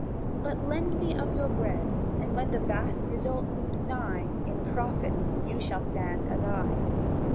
"But lend me of your bread, And when the vast result looms nigh, In profit you shall stand as I."